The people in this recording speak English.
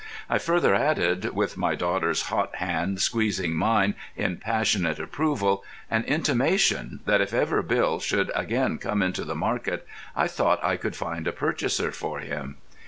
I further added, with my daughter's hot hand squeezing mine in passionate approval, an intimation that if ever Bill should again come into the market I thought I could find a purchaser for him.